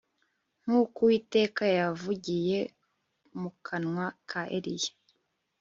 nkuko Uwiteka yavugiye mu kanwa ka Eliya